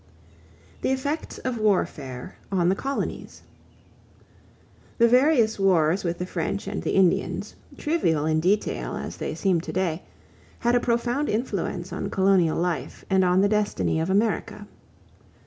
THE EFFECTS OF WARFARE ON THE COLONIES The various wars with the French and the Indians, trivial in detail as they seem to day, had a profound influence on colonial life and on the destiny of America.